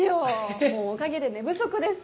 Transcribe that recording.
もうおかげで寝不足です！